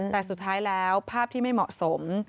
แต่สุดท้ายแล้วภาพที่ไม่เหมาะสม